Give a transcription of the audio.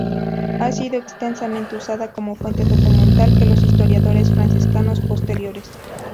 Ha sido extensamente usada como fuente documental por los historiadores franciscanos posteriores.